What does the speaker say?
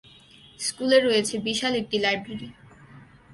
স্কুলে রয়েছে বিশাল একটি লাইব্রেরি।